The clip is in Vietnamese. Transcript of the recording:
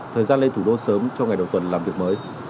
thời gian lên thủ đô sớm cho ngày đầu tuần làm việc mới